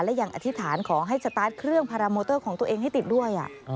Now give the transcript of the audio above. และยังอธิษฐานขอให้สตาร์ทเครื่องพาราโมเตอร์ของตัวเองให้ติดด้วย